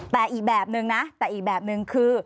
แต่อีกแบบนึงนะแต่อีกแบบนึงคือ